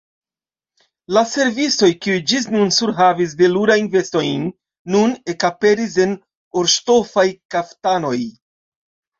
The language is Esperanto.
La servistoj, kiuj ĝis nun surhavis velurajn vestojn, nun ekaperis en orŝtofaj kaftanoj.